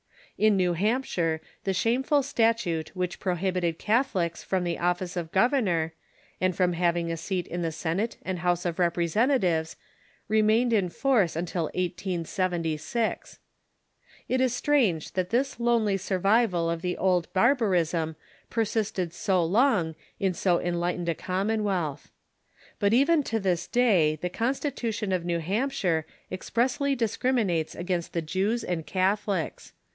In New Hampshire the shameful statute which prohibited Catholics from the office of governor, and from having a seat in the Senate and House of Representatives remained in force until 1876. It is strange that this lonely survival of the old bar barism persisted so long in so enlightened a commonwcaltli. But even to this day the Constitution of New Hampshire ex pressly discriminates against the Jews and Catholics.